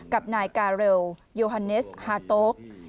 กับนายกาเรลโยฮันเนสฮาโต๊ก